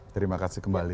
terima kasih kembali